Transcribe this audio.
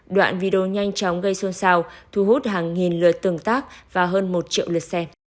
đoạn video nhanh chóng gây xôn xao thu hút hàng nghìn lượt tường tác và hơn một triệu lượt xe